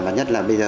và nhất là bây giờ